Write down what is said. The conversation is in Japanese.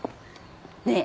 ねえ。